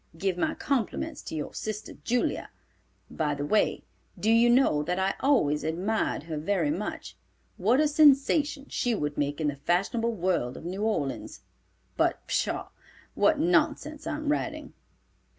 Give my compliments to your sister Julia. By the way, do you know that I always admired her very much? What a sensation she would make in the fashionable world of New Orleans. But pshaw! What nonsense I'm writing."